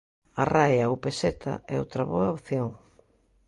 A raia ou peseta é outra boa opción.